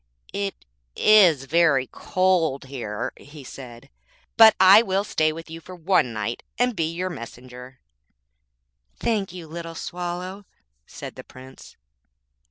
'It is very cold here,' he said 'but I will stay with you for one night, and be your messenger.' 'Thank you, little Swallow,' said the Prince.